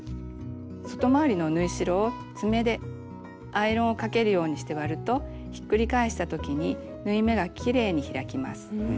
外回りの縫い代を爪でアイロンをかけるようにして割るとひっくり返したときに縫い目がきれいに開きます。